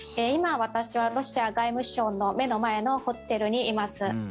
今、私はロシア外務省の目の前のホテルにいます。